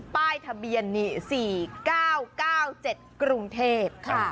ป้ายทะเบียนนี่๔๙๙๗กรุงเทพฯ